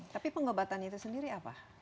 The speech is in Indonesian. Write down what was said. tapi pengobatannya itu sendiri apa